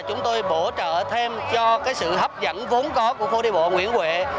chúng tôi bổ trợ thêm cho cái sự hấp dẫn vốn có của phố đi bộ nguyễn huệ